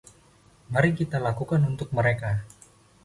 Mari kita lakukan untuk mereka.